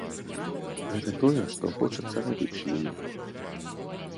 Гэта тое, што хочацца рабіць мне.